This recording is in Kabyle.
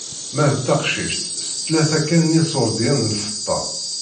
Ma d taqcict s tlata kan n iṣurdiyen n lfeṭṭa.